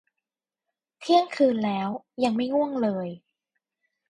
เที่ยงคืนแล้ว ยังไม่ง่วงเลย